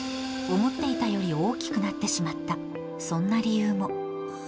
思っていたより大きくなってしまった、そんな理由も。